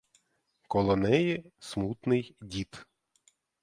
Коло неї смутний дід.